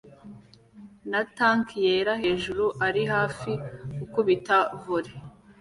na tank yera hejuru ari hafi gukubita volley